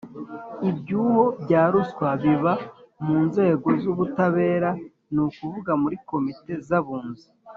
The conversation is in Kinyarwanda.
ibyuho bya ruswa biba mu nzego z ubutabera ni ukuvuga muri Komite z Abunzi